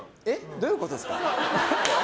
どういうことですか？